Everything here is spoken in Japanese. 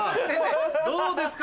どうですか？